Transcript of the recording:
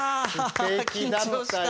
すてきだったよ。